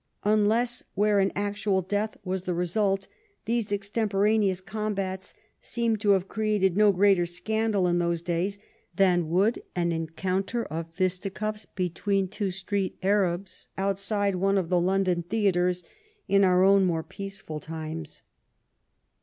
Unless where an actual death was the result, these extempo raneous combats seemed to have created no greater scandal in those days than would an encounter of fisti cuffs between two street arabs outside one of the London theatres in our own more peaceful times.